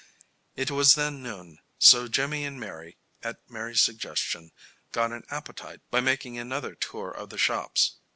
It was then noon, so Jimmy and Mary, at Mary's suggestion, got an appetite by making another tour of the shops.